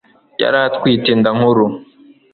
yari atwite inda nkuru